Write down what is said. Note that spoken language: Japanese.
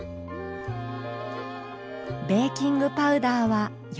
ベーキングパウダーは４ｇ。